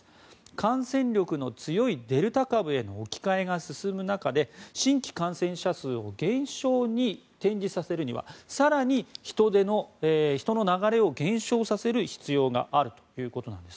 感染力の強いデルタ株への置き換えが進む中で新規感染者数を減少に転じさせるには更に人の流れを減少させる必要があるというんです。